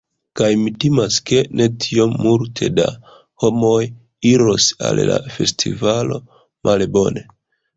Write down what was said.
Kaj mi timas ke ne tiom multe da homoj iros al la festivalo. Malbone!